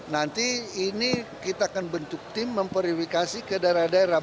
nanti ini kita akan bentuk tim memverifikasi ke daerah daerah